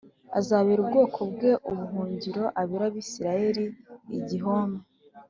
azabera ubwoko bwe ubuhungiro abere Abisirayeli igihome